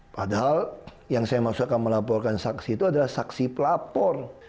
padahal yang saya maksud akan melaporkan saksi itu adalah saksi pelapor